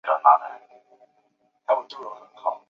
海警学院是经教育部备案的独立招生普通高等学校。